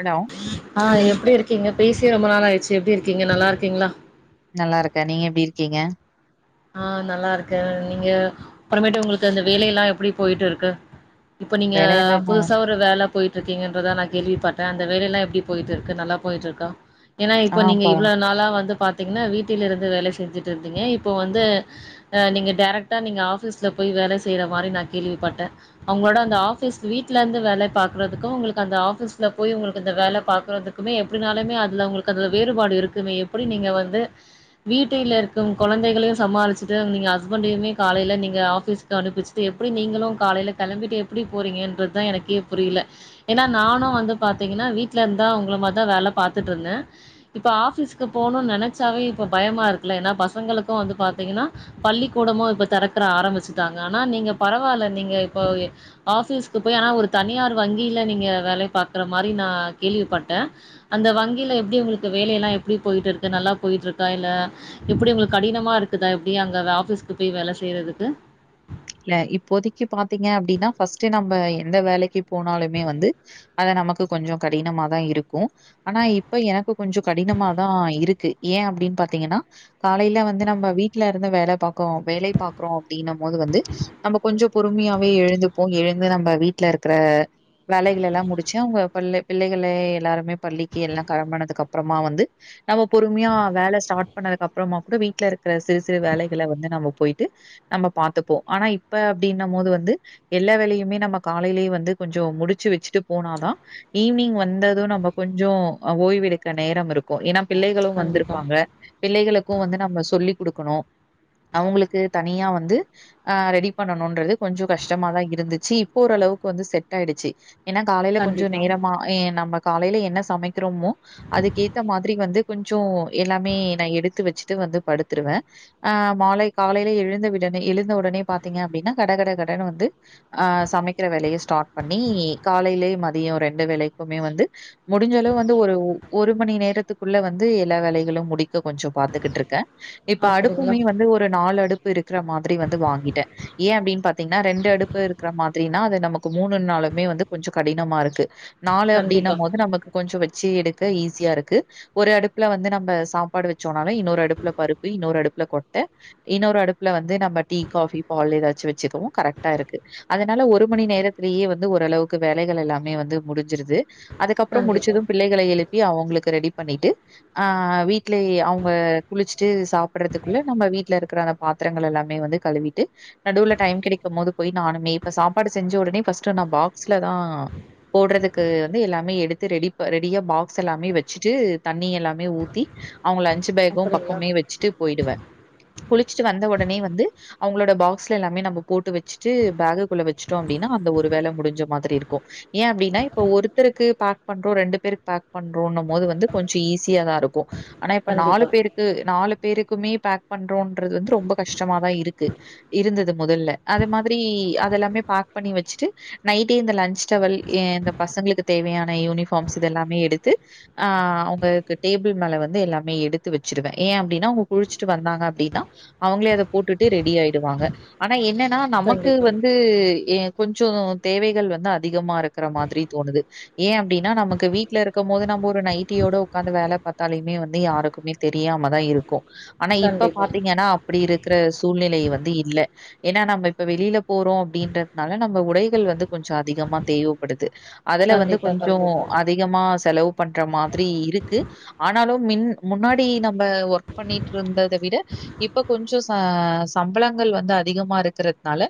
Allow ஆஹ் எப்டிருக்கீங்க பேசியே ரொம்ப நாளாயிடுச்சு எப்டி இருக்கீங்க நல்லா இருக்கீங்ளா நல்லா இருக்க நீங்க எப்டி இருக்கீங்க ஆஹ் நல்லாருக்கே நீங்க அப்புறமேட்டு உங்களுக்கு அந்த வேலைல்லா எப்டி போயிட்டு இருக்கு இப்ப நீங்க வேலையெல்லாம் நா புதுசா ஒரு வேலப் பேயிட்டு இருக்கீங்கன்றதா நா கேள்விபட்ட அந்த வேலயெல்லா எப்டி போயிட்ருக்கு நல்லா போயிட்ருக்க ஏன்னா ஆ இப்ப நீங்க பா இவ்ள நாளா வந்து பாத் திங்ன்னா வீட்டில இருந்து வேல செஞ்சுட்டு இருந்தீங்க இப் இப்போ வந்து அ நீங்க டேரக்டா நீங்க ஆஃபீஸ்ல போய் வேலை செய்ற மாரி நா கேள்விப்பட்ட அவங்ளோட அந்த ஆஃபீஸ் வீட்லந்து வேலை பாக்றதுக்கு உங்களுக்கு அந்த ஆபீஸ்ல போய் உங்களுக்கு அந்த வேல பாக்கறதுக்குமே எப்டினாலுமே அதுல உங்களுக்கு அ வேறுபாடு இருக்குமே எப்படி நீங்க வந்து வீட்டில் இருக்கும் கொழந்தைகளையு சமாளிச்சுட்டு நீங்க ஹஸ்பண்டயுமே காலேல நீங்க ஆஃபீஸ்கு அனுப்பிச்சுட்டு எப்டி நீங்களு காலைல கெளம்பிட்டு எப்படி போறீங்கன்றதா எனக்கே புரில ஏன்னா நானு வந்து பாத்தீங்கன்னா வீட்டுல இந்தா உங்கள மாதா வேல பாத்துட்டு இருந்தே இப்ப ஆஃபீஸ்கு போகணும்னு நெனைச்சாவே இப்ப பயமா இருக்கல ஏன்னா பச இவங்களுக்கு வந்து பாத்தீங்கனா பள்ளிக்கூடமு இப்ப தெறக்கற ஆரம்பிச்சுட்டாங்க ஆனா நீங்க பரவால்ல நீங்க இப்போ ஆஃபீஸ்கு போய் ஆனா ஒரு தனியார் வங்கில நீங்க வேலை பாக்குற மாரி நா கேள்விப்பட்டே அந்த வங்கியில எப்டி உங்களுக்கு வேலையெல்லா எப்டி போயிட்ருக்கு நல்லா போயிட்டுருக்கா இல்ல எப்படி உங்களுக் கடினமா இருக்குதா எப்டி அங்க ஆஃபிஸ்க்கு போய் வேல செய்யறதுக்கு ல்ல இப்போதிக்கு பாத்தீங்க அப்படின்னா ஃபஸ்ட்டு நம்ப எந்த வேலைக்கு போனாலுமே வந்து அத நமக்கு கொஞ்சோ கடினமாதா இருக்கு ஆனா இப்ப எனக்கு கொஞ்சோ கடினமாதா இருக்கு ஏ அப்டின்னு பாத்தீங்கன்னா காலைல வந்து நம்ம வீட்டுல இருந்து வேலை பாக்கோ வேலை பாக்குறோ அப்படின்ன போது வந்து நம்ம கொஞ்சோ பொறுமையாவே எழுந்திப்போ எழுந்து நம்ப வீட்டுல இருக்கிற வேலைகள் எல்லா முடிச்சு அவங்க பல்ல பிள்ளைகள எல்லாருமே பள்ளிக்கு எல்லா கெழம்பனதுக்கப்புறமா வந்து நம்ம பொறுமையா வேலை ஸ்டார்ட் பண்ணதுக்கு அப்புறமா கூட வீட்டுல இருக்கிற சிறு சிறு வேலைகளை வந்து நம்ம போயிட்டு நம்ம பாத்துப்போ ஆனா இப்ப அப்படின்ன போது வந்து எல்லா வேலையுமே நம்ம காலேலயே வந்து கொஞ்சோ முடிச்சு வச்சுட்டு போனாதா ஈவ்னிங் வந்தது நம்ம கொஞ்சோ அ ஓய்வெடுக்க நேர இருக்கு ஏன்னா பிள்ளைகளு கண்டிப்பா வந்திருப்பாங்க. பிள்ளைகளுக்கு வந்து நம்ம சொல்லிக் குடுக்கணு. அவுங்களுக்கு தனியா வந்து ஆஹ் ரெடி பண்ணணுன்றது கொஞ்சோ கஷ்டமாதா இருந்துச்சு இப்போ ஓரளவுக்கு வந்து செட் ஆயிடுச்சு. ஏன்னா காலைல கொஞ்சோ கண்டிப்பா நேரமா ஏ நமக் காலேல என்ன சமைக் க்கிறோமோ அதுக்கு ஏத்த மாதிரி வந்து கொஞ்சோ எல்லாமே நான் எடுத்து வச்சுட்டு வந்து படுத்துருவேன் ஆஹ் மாலை காலையில எழுந்த விடனே எழுந் ழுந்த ஒடனே பாத்தீங்க அப்படின்னா கடகட கடன்னு வந்து ஆஹ் சமைக்கிற வேலையை ஸ்டார்ட் பண்ணி காலையில மதியம் ரெண்டு வேலைக்குமே வந்து முடிஞ்சளவு வந்து ஒரு- ஒ-ஒரு மணி நேரத்துக்குள்ள வந்து எல்லா வேலைகளும் முடிக்க கொஞ்சோ பாத்துக்கிட்டு இருக்கேன் இப்ப அப்டிங்களா அடுப்புமே வந்து ஒரு நாலு அடுப் இருக்கிற மாத் திரி வந்து வாங்கிட்டேன் ஏன் அப்படின்னு பாத்தீங்கன்னா ரெண்டு அடுப்பு இருக்கிற மாதிரின்னா அது நமக்கு மூணு நாளுமே வந்து கொஞ்சோ கடினமா இருக்கு நாலு கண்டிப்பா அப்படின்னம் போது நமக்கு கொஞ்சோ வெ ச்சு எடுக்க ஈஸியா இருக்கு ஒரு அடுப்புல வந்து நம்ம சாப்பாடு வச்சோம்னாலும் இன்னொரு அடுப்புல பருப்பு இன்னொரு அடுப்புல கொட்ட இன்னொரு அடுப்புல வந்து நம்ப டீ காஃபி பால் ஏதாச்சும் வச்சுக்கவும் கரெக்ட்டா இருக்கு அதனால ஒரு மணி நேரத்திலேயே வந்து ஓரளவுக்கு வேலைகள் எல்லாமே வந்து முடிஞ்சிருது அதுக்கப்புறம் கண்டிப்பா முடிச்சதும் பிள்ளைகளை எழுப் ப்பி அவங்களுக்கு ரெடி பண்ணிட்டு ஆஹ் வீட்லயே அவங்க குளிச்சுட்டு சாப்- ப்றதுக்குள்ள நம்ம வீட்டுல இருக்கிற அர பாத்திரங்கள் எல்லாமே வந்து கழுவிட்டு நடுவுல டைம் கெடைக்கும் போது போயி நானுமே இப்ப சாப்பாடு செஞ்ச உடனே ஃபஸ்ட்டு நான் பாக்ஸ்ல தான் போடுறதுக்கு வந்து எல்லாமே எடுத்து ரெடி ப ரெடியா பாக்ஸ் எல்லாமே வச்சுட்டு தண்ணி எல்லாமே ஊத்தி அவங்க லன்ச்சு பேகும் அப்டிங்களா பக்கமே வச்சுட்டு போயிடுவேன் குளிச்சுட்டு வந்த உடனே வந்து அவங்களோட பாக்ஸ்ல எல்லாமே நம்ம போட்டு வச்சுட்டு பாகுக்குள்ளே வச்சுட்டோம் அப்பிடின்னா அந்த ஒரு வேல முடிஞ்ச மாதிரி இருக்கும் ஏன் அப்பிடின்னா இப்ப ஒருத்தருக்கு பாக் பண்றோம் ரெண்டு பேருக்கு பாக் பண்றோன்னும் போது வந்து கொஞ்சம் ஈஸியா தான் இருக்கும் ஆனா கண்டிப்பா இப்ப நாலு கண்டிப்பா பேருக்கு நாலுப் பேருக்குமே பேக் பண்றோன்றது வந்து ரொம்ப கஷ்டமா தான் இருக் க்கு இருந்தது முதல்ல அத மாதிரி அதெல்லாமே பாக் பண்ணி வச்சட்டு நைட்டே இந்த லஞ்ச் டவல் ஏன் இந்தப் பசங்களுக்குத் தேவையான யூனிஃபார்ம்ஸ் இதெல்லாமே எடுத்து ஆஹ் அவங்களுக்கு டேபிள் மேல வந்து எல்லாமே எடுத்து வச்சிருவே ஏ அப்படின்னாக்க அவங்க குளிச்சட்டு வந்தாங்க அப்படின்னா அவங்களே அத போட்டுட் ட்டு ரெடி ஆயிடுவாங்க ஆனா என்ன ன்னா நமக்கு வந்து ஏன் கொஞ்சோ தேவைகள் வந்து அதிகமா இருக்கிற மாதிரி தோணுது. ஏன் அப்படின்னா நமக்கு வீட்ல இருக்கும் போது நம்ம ஒரு நைட்டியோட உக்காந்து வேல பாத்தாலையுமே வந்து யாருக்குமே தெரியாம தான் இருக்கு ஆனா இப்ப கண்டிப்பா பாத்தீங்கன்னா அப்பிடி இருக்கிற சூ சூழ்நிலை வந்து இல்ல ஏன்னா நம்ம இப்ப வெளியில போறோம் அப்படின்றதுனால நம்ம உடைகள் வந்து கொஞ்சோ அதிகமாத் தேவைப்படுது அதுல வந்து கண்டிப்பா கொஞ்சோ கண்டிப்பா அதிகமா செலவு பண்ற மாதிரி இருக்கு ஆனாலும் மின் முன்னாடி நம்ப ஒர்க் பண்ணிட்டு இருந்தத விட இப்ப கொஞ்சோ ச சம்பளங்கள் வந்து அதிகமா இருக்கிறதுனால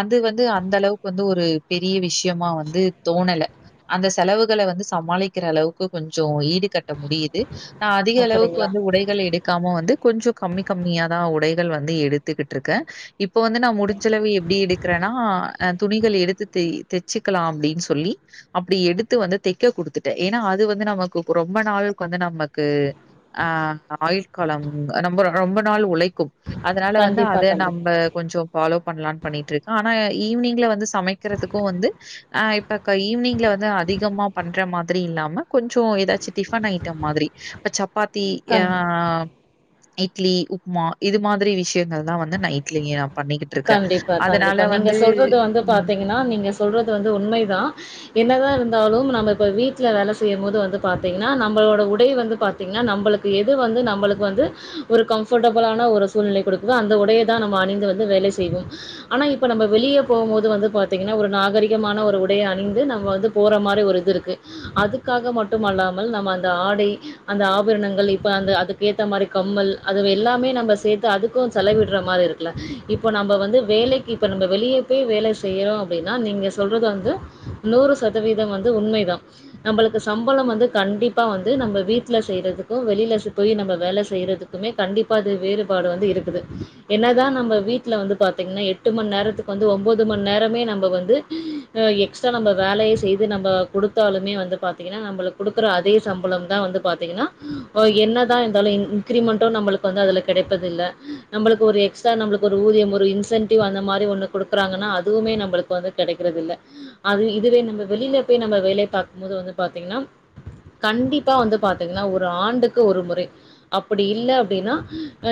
அது வந்து அந்த அளவுக்கு வந்து ஒரு பெரிய விஷயமா வந்து தோணல அந்த செலவுகள வந்து சமாளிக்கிற அளவுக்கு கொஞ்சோ ஈடு கட்ட முடியுது நா அதிக அளவுக்கு அப்டிங்களா வந்து உடைகள எடுக் க்காம வந்து கொஞ்ச கம்மி கம்மியா தான் உடைகள் வந்து எடுத் த்துட்டு இருக்கேன் இப்ப வந்து நா முடிஞ்சளவு எப்பிடி எடுக்கிறேன்னா் அஹ் துணிகள் எடுத்து தச்சுக்கலாம் அப்படின்னு சொல்லி அப்பிடி எடுத்து வந்து தைக்க குடுத்துட்டேன் ஏன்னா அது வந்து நமக்கு ரொம்ப நாளுக்கு வந்து நமக்கு ஆஹ் ஆயுள் காலம் ரொம்ப நாள் உழைக்கும் அதனா கண்டிப்பா அத கண்டிப்பா நம்ப கொஞ்சோ ஃபாலோ பண்ணலான்னு பண்ணிட்டு இருக்கே ஆனா ஈவினிங்ல வந்து சமைக்கிறதுக்கு வந்து ஆஹ் இப்பக்க ஈவினிங்ல வந்து அதிகமா பண்ற மாதிரி இல்லா கொஞ்சோ ஏதாச்சும் டிஃபன் ஐட்டம் மாதிரி இப்ப சப் பாத்தி கண் ய்ஆஹ் இட்லி உப்புமா இது மாதிரி விஷய ங்கள் தா வந்து நைட்லயே [unintelligible] கண்டிப்பா அதனால கண்டிப்பா நீங்க வந்து சொல்றது வந்து ம். பாத்தீங்னா நீங்க சொல்றது வந்து உண்மைதா என்னதா இருந் தாலும் நம்ம இப்போ வீட்ல வேல செய்யு போது வந்து பாத்திங்னா நம்ளோட உடை வந்து பாத்திங்னா நமளுக்கு எது வந்து நமளுக்கு வந்து ஒரு கம்ஃபோர்ட்டபிள்லான ஒரு சூர்நிலை குடுக்குதோ அந்த உடைய தா நம்ம அணிந்து வந்து வேல செய் செய்வோ ஆனா இப்ப நம்ம வெளியே போ போது வந்து பாத்தீங்னா ஒரு நாகரிகமான ஒரு உடைய அணிந்து நம் வந்து போற மாரி ஒரு இது இருக்கு அதுக்காக மட்டும் மல்லாமல் நம்ம அந்த ஆடை அந்த ஆபரணங்கள் இப்ப அந்த அதுக்கேத்த மாரி கம்மல் அது வெல்லாமே நம்ம சேத்து அதுக்கோ செலவிடுற மாரி இருக்கல இப் இப்போ நம்ம வந்து வேலைக்கு இப்ப நம்ம வெளியே போய் வேல செய்றோ அப்டினா நீங்க சொல்றது வந்து நூறு சதவீத வந்து உண்மைதா நம்மளுக்கு சம்பள வந்து கண்டிப்பா வந்து நம்ம வீட்ல செய்றதுக்கூ வெளில செய் போய் நம்ம வேல செய்றதுக்குமே கண்டிப்பா அது வேறுபாடு வந்து இருக்குது என்னதா நம்ம வீட் துல வந்து பாத்தீங்னா எட்டு மண் நேரத்துக்கு வந்து ஒன்பது மண் நேரமே நம்ம வந்து எ எக்ஸ்டா நம்ம வேலையு செய்து நம்ம குடுத்தாலுமே வந்து பாத்தீங்னா நமளுக் குடுக்கற அதே சம்பளம் தா வந்து பாத்தீங்னா ஒ என்னதா இருந்தாலு இன் இன்கிரிமெண்ட நமளுக்கு வந்து அதுல கிடைப்பதுல்ல நமளுக்கு ஒரு எக்ஸ்டா நமலுக் ஒரு ஊதியம் ஒரு இன்சென்டிவ் அந்த மாரி ஒண்ணு குடுக்குறாங்கன்னா அதுவுமே நம்ளுக்கு வந்து கெடைக்கறதில்ல அது இதுவே நம்ம வெளிலே போய் நம்ம வேலை பாக்கும் போது வந்து பாத்தீங்னா கண்டிப்பா வந்து பாத்தீங்னா ஒரு ஆண்டுக்கு ஒரு முறை அப்டி இல்ல அப்டின்னா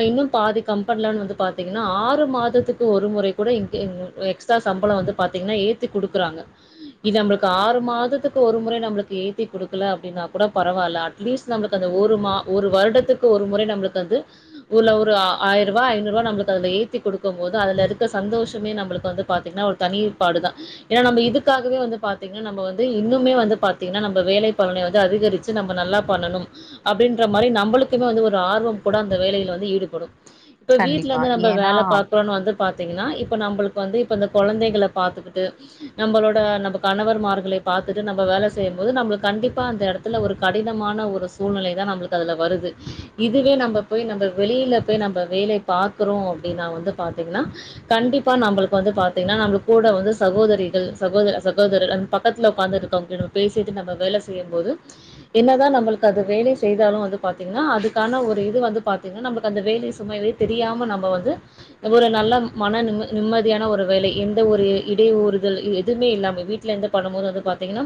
இன்னு பாதி கம்பென்ல வந்து பாத்தீங் னொ ஆறு மாதத்துக்கு ஒரு முறை கூட இன் இன் எக்ஸ்ட்ரா சம்பளம் வந்து பாத்தீங்னா ஏத்தி குடுக்குறாங்க இது நம்ளுக்கு ஆறு மாதத்துக்கு ஒரு முறை நம்ளுக்கு ஏத்தி கொடுக்கல அப்டினா கூட பரவால்ல அட்லீஸ்ட் நம்ளுக்கு அந்த ஒரு ம ஒரு வருடத்துக்கு ஒரு முறை நம்ளுக்கு அது உள்ள ஒரு ஆய் ஆய் ரூவா ஐநூறு ரூபா அதுல ஏத்தி கொடுக்கு போது அதுல இருக்க சந்தோஷமே நம்மளுக்கு வந்து பாத்தீங்னா ஒரு தனிபாடு தா ஏன்னா நம்ம இதுக்காகவே வந்து பாத்தீங்னா நம்ம வந்து இன்னுமே வந்து பாத்தீங்னா நம்ம வேலை பலனை வந்து அதிகரிச்சு நம்ம நல்லா பண்ணணு அப்டின்ற மாரி நம்மளுக்குமே வந்து ஒரு ஆர்வம் கூட அந்த வேலல வந்து ஈடுபடும் இப்ப வீ இங்க கண்டிப்பா. வந்து நம்ம ஏன்னா வேல பாத்தோனு வந்து பாத்தீங்னா இப்ப நமளுக்கு வந்து இப்போ இந்த குழந்தைகள பாத்துகிட்டு நம்மளோட நம்ம கனவர்மார்கலே பாத்துட்டு நம்ம வேல செய்யும் போது நமளுக்கு கண்டிப்பா அந்த எத்துல ஒரு கடினமான ஒரு சூழ்நிலை தா நமளுக்கு அதுல வருது இதுவே நம்ம போய் நம்ம வெளியில போய் நம்ம வே பாக்கறோ அப்டின்னா வந்து பாத்தீங்னா கண்டிப்பா நம்ளுக்கு வந்து பாத்தீங்கனா நம்ம கூட வந்து சகோதரிகள் சகோதர சகோதரர் பக்கத்துல உட்காந்து இருக்கோ கிற பேசிட்டு நம்ம வேல செய்யும் போது என்னதா நம்ளுக் அது வேலயே செய்தாலும் வந்து பா்த்தீங்னா அதுக்கான ஒரு இது வந்து பாத்தீங்னா நம்மளுக்கு அந்த வேலைய சுமை வே தெரியாம நம வந்து ஒரு நல்ல மன நிம் நிம்மதியான ஒரு வேலை எந்த ஒரு இடையூறுதல் இது எதுவுமே இல்லாம வீட்லருந்து பண்ணுபோது வந்து பாத்தீங்னா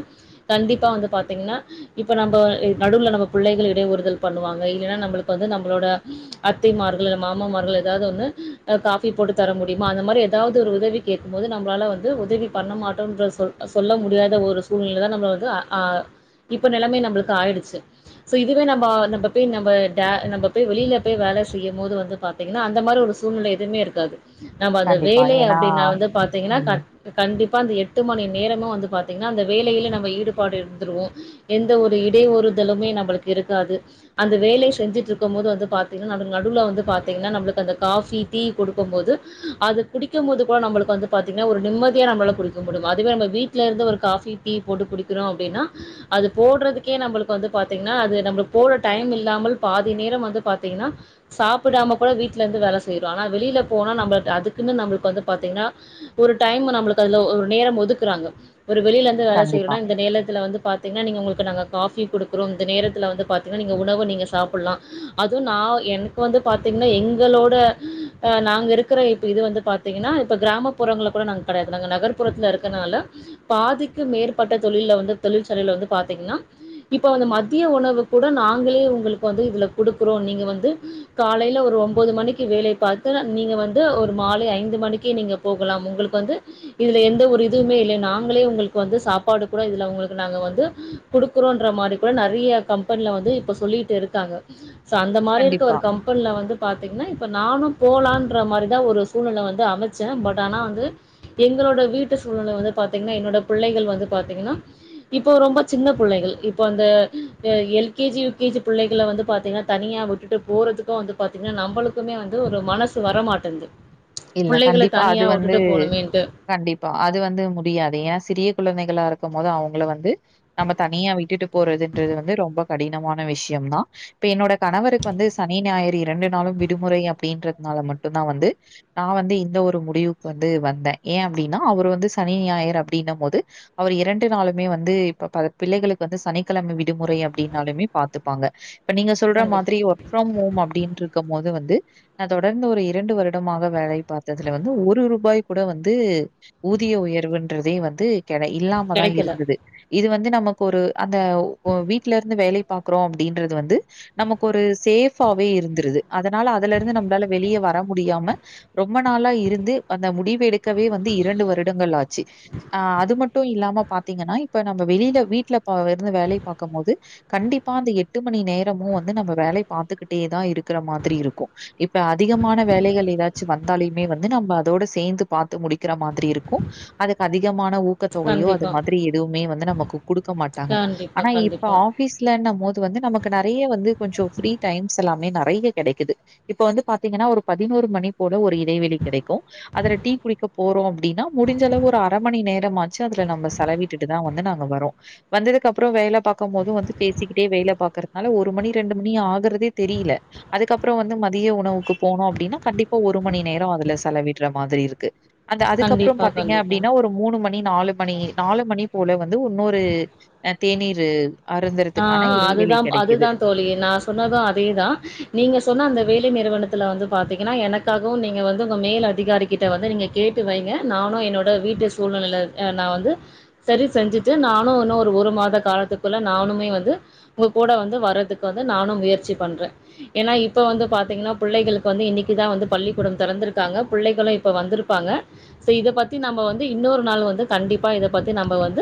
கண்டிப்பா வந்து பா்த்தீங்னா இப்ப நம்ம நடுல நம்ம பிள்ளைகள் இடையூறுதல் பண்ணுவாங்க இல்லைன்னா நம்மளுக்கு வந்து நம்மளோட அத்தைமார்கள் மொற ஏதாது ஒன்னு ஆஹ் காபி போட்டு தரமுடியுமா அந்த மேரி எதாவது ஒரு உதவி கேக்கும்போது நம்மளால வந்து உதவி பண்ணமாட்டோன்ற சொ சொல்ல முடுயாத ஒரு சூழ்நிலைதா அ ஆஹ் இப்ப நெலம நம்மளுக்கு ஆய்டுச்சு சோ இதுவே நம்ம பேய் நம்ம டா நம்ம பேய் வெளில போய் வேல செய்யுபோது து பாத்தீங்னா அந்த மாரி ஒரு சூழ்நிலை எதுமே இருகாது நம்ம அந்த கண்டிப்பா. வேலை ஏன்னா அப்டின்னா வந்து பாத்தீங்னா ம். கண் கண்டிப் பா அந்த எட்டு மணி நேரமு வந்து பாத்தீங்னா அந்த வேலையில நம்ம ஈடுபாடு இருந்துருவோ எந்த ஒரு இடையூறுதலுமே நம்மளுக்கு இருக்காது அந்த வேலை செஞ்சுட்டு இருக்கு போது வந்து பாத்தீங்னா நடுவ் நடுவ்ல வந்து பா பாத்தீங்னா நமளுக்கு அந்த காஃபி டீ கொடுக்கு போது அது குடிக்கோ போது கூட நமளுக்கு வந்து பாத்தீங்னா ஒரு நிம்மதிய நம்மளால குடிக்க முடியும் அதுவே நம்ம வீட்ல இருந்து ஒரு காஃபி டீ போட்டு குடிக்கிறோ அப்டின்னா அது போடுறதுக்கே நமளுக்கு வந்து பாத்தீங்னா அது நம்ம போட டைம் இல்லாமல் பாதி நேரம் வந்து பாத்தீங்னா சாப் அப் டாம கூட வீட்ல இருந்து வேல செய்றோ ஆனா வெளில போனா நம்ம அதுக்குன்னு நம்மளுக்கு வந்து பாத்தீங்னா ஒரு டைம் நம்மளுக்கு அதுல ஒரு நேரம் ஒதுக்குறாங்க ஒரு வெளியில இருந்து வேல கண்டிப்பா, செய்றோனா இந்த நேரத்துல வந்து பாத்தீங்னா நீங்க உங்களுக்கு நாங் காஃபி குடுக்குறோ இந்த நேரத்தில வந்து பாத்தீங்னா நீங்க உணவு நீங்க சாப்ல்லா அதுவு நா எனக் வந்து பாத்தீங்னா எங்களோட அ நாங்க இருக்கிற இப்ப இது வந்து பாத்தீங்னா இப்ப கிராமப்புறங்கள கூட நாங்க கடையாது நாங்க நகர்ப்புறத்துல இருக்கறனால பாதிக்கு மேற்பட்ட தொழில வந்து தொழிற்சலையில வந்து பாத்தீங்னா இப்ப வந் மதிய உணவு கூட நாங்களே உங்களுக்கு வந்து இதுல குடுக்குறோ நீங்க வந்து காலையில ஒரு ஒன்போது மணிக்கு வேலைய பாத்து நீங்க வந்து ஒரு மாலை ஐந்து மணிக்கே நீங்க போகலாம் உங்களுக்கு வந்து இதுல எந்த ஒரு இதுவுமே இல்லை நாங்களே உங்களுக்கு வந்து சாப்பாடு கூட இதுல உங்களுக்கு நாங்க வந்து குடுக்குறோம்ன்ற மாரி கூட நெறைய கம்பெனில வந்து இப்ப சொல்லிட்டு இருக்காங்க ஸோ அந்த மாரி இருக்க கண்டிப்பா. ஒரு கம் நா வந்து பாத்தீங்னா இப்போ நானு போலான்ற மாரிதா ஒரு சூழ்நில வந்து அமைச்சே பட் ஆனா வந்து எங்களோட வீட்டு சூழ்நிலை வந்து பாத்தீங்னா என்னோட பிள்ளைகள் வந்து பாத்தீங்னா இப்போ ரொம்போ சின்ன புள்ளைகள் இப்ப அந்து அ L K G U K G பிள்ளைகள வந்து பாத்தீங்னா தனியா விட்டுட்டு போர் இப்போ வந்து பாத்தீங்னா நம்மளுக்குமே வந்து ஒரு மனசு வரமாட்டென்து இல்ல கண்டிப்பா அது வந்து கண்டிப்பா அது வந்து முடியாது ஏ சிறிய குழந்தை கால இருக்கு போது அவங்கள வந்து நம்ம தனியா விட்டுட்டு போறதுன்றது வந்து ரொம் கடினமான விஷய தா இப்ப என்னோட கணவருக்கு வந்து சனி ஞாயிறு இரண்டு நாளும் விடுமுறை அப்படின்றதுனால மட்டுந்தா வந்து நா வந்து இந்த ஒரு முடிவுக்கு வந்து வந்தே ஏ அப்டின்னா அவர் வந்து சனி ஞாயர் அப்டின்னும் போது அவர் இரண்டு நாளுமே வந்து இப்ப ப பிள்ளைகளுக்கு வந்து சனிக்கிழமை விடுமுறை அப்டின்னாலுமே பாத்துப்பாங்க இப்ப நீங்க சொல்ற கண்டிப்பா. மாதிரி ஒர்க் ஃப்ரம் ஹோம் அப்டின்ட்ருக்கு போது வந்து நா தொடர்ந்து ஒரு இரண்டு வருடமாக வேலை பார்த்ததுல வந்து ஒரு ரூபாய் கூட வந்து ஊதிய உயர்வுன்றதே வந்து கடை இல்லாமதா கெடைக்கல. இருந்தது இது வந்து நமக்கு ஒரு அந்த ஒ வீட்ல இருந்து வேலை பாக்றோ அப்டின்றது வந்து நமக்கு ஒரு சேஃபாவே இருந்துருது அதனால அதுல இருந்து நம்மளால வெளியே வர முடியாம் ரொம்ப நாளா இருந்து அந்த முடிவு எடுக் கவே வந்து இரண்டு வருடங்கள் ஆச்சு அ அது மட் டு இல்லாம பாத்தீங்னா இப்ப நம்ம வெளில வீட்டுல ப்போ இருந்து வேலை பாக்கும் போது கண்டிப்பா அந்த எட்டு மணி நேரமு வந்து நம்ம வேலையே பாத்துக்கிட்டே தா இருக்கிற மாதிரி இருக்கோ இப்ப அதிகமான வேலைகள் ஏதா ச் வந்தாலுமே வந்து நம்ம அதோட சேந்து பத்து முடிக்கிற மாதிரி இருக்கூ அதுக்கு அதிகமான உ கோ தொகையு அது கண்டிப்பா. மாதிரி எதுவுமே வந்து நமக்கு கொடுக்க மாட்டாங்க கண்டிப்பா, ஆனா இப்ப கண்டிப்பா. ஆபஸ்ல போது வ நக்கு நிறைய வந்து கொஞ்சோ எல்லேமே வக கிடைக்குது இப்ப வந்து பாத்தீங்கன்னா ஒரு பதினோரு மணி போல ஒரு இடைவெளி கிடைக்கும் அதுல டீ குடிக்க போறோம் அப்படின்னா முடிஞ்ச அளவு ஒரு அரை மணி நேரமாச்சு அதுல நம்ம செலவிட்டுட்டுதான் வந்து நாங்க வரோம் வந்ததுக்கு அப்புறம் வேலை பாரக்கும் போதது வந்து பேசிக்கிட்டே வேலை பாக்கறதுனால ஒரு மணி ரெண்டு மணி ஆகுறதே தெரியல அதுக்கப்புறம் வந்து மதிய உணவுக்கு போனோம் அப்படின்னா கண்டிப்ப இப்ப ஒரு மணி நேரோ அதுல செலவிடுற மாதிரி இருக்கு அந்த அதுக்கப்ரோ கண்டிப்பா, பாத்தீங்க கண்டிப்பா. அப்படின்னா ஒரு மூணு மணி நாலு மணி நாலு மணி போல வந்து இன்னொரு ஆஹ் தேநீரு ஆஹ் அதுதா அதுதா தோழி நா சொன்னது அதேதா நீங்க சொன்ன அந்த வேல நிறுவனத்து வந்து பா்த்தீங்கன்னா எனக்காகவு நீங்க வந்து உங்க மேல் அதிகாரிகிட்ட வந்து நீங்க கேட்டு வைங்க நானு என்னோட வீட்டு சூழ்நிலை வந்து சரி செஞ்சுட்டு நானு இன்னு ஒரு மாத காலத்துக் நானுமே வந்து உங்க கூட வந்து வர்றதுக்கு வந்து நானு முயற்சி பண்ற ஏன்னா இப்ப வந்து பாத்தீங்கன்னா பிள்ளைகளுக்கு வந்து இன்னைக்குதா வந்து பள்ளிக்கூடோ திறந்திருக்காங்க பிள்ளைகளு இப்ப வந்திருப்பாங்க சா இத பத்தி நம்ம வந்து இன்னொரு நாள் வந்து கண்டிப்பா இதை பத்தி ந நம்ப வந்து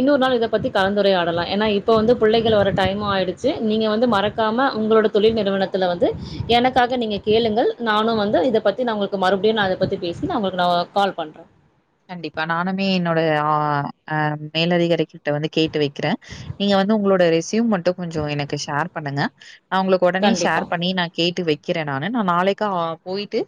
இன்னொரு நாள் இதை பத்தி கலந்துரையாடலா ஏன்னா இப்ப வந்து பிள்ளைகள் வர டைமு ஆயிடுச்சு நீங்க வந்து மறக்காம உங்களோட தொழில் நிறுவனத்துல வந்து எனக்காக நீங்க கேளுங்கள் நானு வந்து இத பத்தி நா உங்களுக்கு மறுபடியு நா அத பத்தி பேசி நா உங்களுக்கு நா கால் பண்ற கண்டிப்பா நானுமே என்னோட ஆஹ அஹ் மேலதிகார கிட்ட வந்து கேட்டு வைக்கிறேன் நீங்க வந்து உங்களோட ரெசயூ மட்டு கொஞ்சம் எனக்கு ஷேர் பண்ணுங்க அவங்களுக்கு உடனே கண்டிப்பா, ஷேர் பண்ணி நா கேட்டு வை க்கிற நானு நா நாளைக்கா போயிட்டு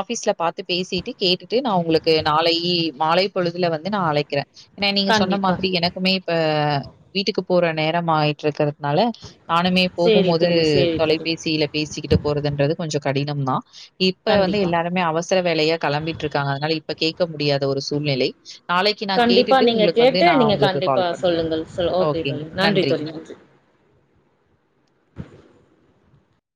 ஆபிஸ்ல பாத்து பேசிட்டு கேட்டு ட்டு நா உங்களுக்கு நாளை மாலை பொழுதுல வந்து நா அழைக்கிற ஏன்னா நீங்க சொன்ன கண்டிப்பா. மாதிரி எனக்குமே இப்போ வீட்டுக்கு போற நேரம் ஆயிட்டு இருக்கிறது அதனால நானுமே போகும் சரி போது தோழி, சரி தோழி. தொலைபேசியில பேசிக்கிட்டு போறதுன்றது கொஞ்சோ கடினம் தா இப்ப வந்து கண்டிப்பா. எல்லாருமே அவசர வேலையா கிளம்பிட்டு இருக்காங்க அதனால ப கே இருக்க முடியாத ஒரு சூழ்நிலை நான் கண்டிப்பா கேட்டுட்டு நீங்க உங்களுக்கு வந்து கேட்டு நான் நீங்க உங்களுக்கு கண்டிப்பா கால் பண்றேன். சொல்லுங்கள் சொ ஓகே தொழ நன்றி தொல்லி நன்றி